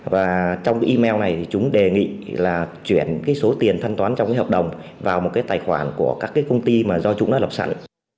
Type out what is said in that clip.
và trong cái email này thì chúng đề nghị là chuyển cái số tiền thanh toán trong cái hợp đồng vào một cái tài khoản của các cái công ty mà do chúng đã lập sẵn